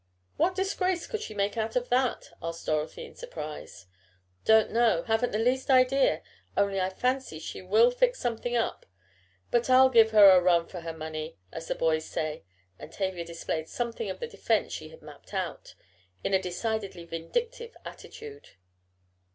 "What disgrace could she make out of that?" asked Dorothy in surprise. "Don't know, haven't the least idea, only I fancy she will fix something up. But I'll give her 'a run for her money,' as the boys say," and Tavia displayed something of the defense she had "mapped out" in a decidedly vindictive attitude.